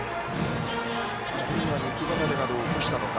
あるいは肉離れなどを起こしたのか。